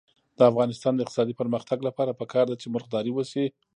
د افغانستان د اقتصادي پرمختګ لپاره پکار ده چې مرغداري وشي.